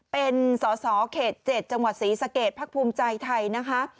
เป็นสสเจ็ดจังหวัดศรีสเกตพรรคภูมิใจไทยนะคะ